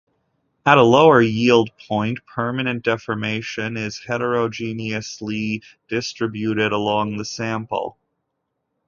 At lower yield point, permanent deformation is heterogeneously distributed along the sample.